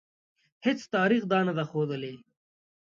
هیڅ تاریخ دا نه ده ښودلې.